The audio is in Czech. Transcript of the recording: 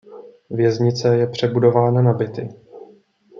Věznice je přebudována na byty.